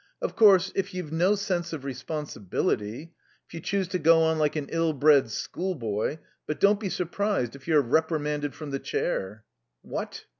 "Of course, if you've no sense of responsibility if you choose to go on like an ill bred schoolboy but don't be surprised if you're reprimanded from the chair." "What?